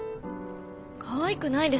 かわいくないです。